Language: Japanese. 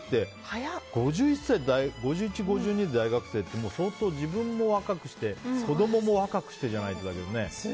５１、５２で大学生ってもう相当、自分も若くして子供も若くしてじゃないとね。